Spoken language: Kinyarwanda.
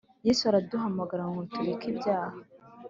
Yesu araduhamagara ngo tureke ibyaha